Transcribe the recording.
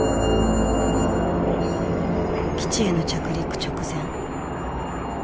基地への着陸直前。